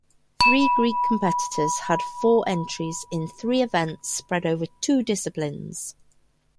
Three Greek competitors had four entries in three events spread over two disciplines.